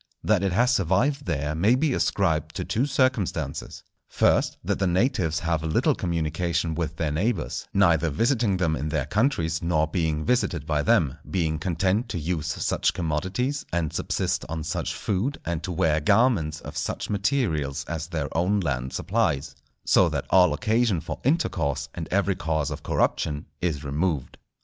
That it has survived there may be ascribed to two circumstances: first, that the natives have little communication with their neighbours, neither visiting them in their countries nor being visited by them; being content to use such commodities, and subsist on such food, and to wear garments of such materials as their own land supplies; so that all occasion for intercourse, and every cause of corruption is removed.